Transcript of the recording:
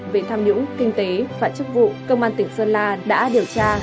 về tham nhũng kinh tế và chức vụ công an tỉnh sơn la đã điều tra